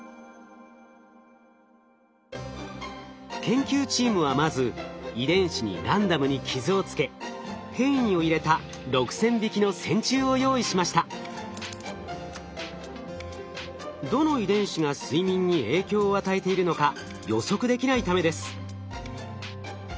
研究チームはまず遺伝子にランダムに傷を付け変異を入れたどの遺伝子が睡眠に影響を与えているのか予測できないためです。